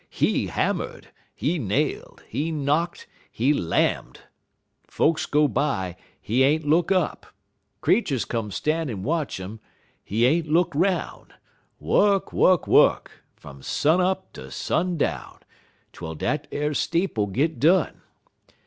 He hammer'd, he nailed, he knock'd, he lamm'd! Folks go by, he ain't look up; creeturs come stan' en watch 'im, he ain't look 'roun'; wuk, wuk, wuk, from sun up ter sun down, twel dat er steeple git done.